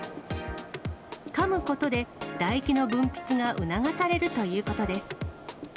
かむことで唾液の分泌が促されるということです。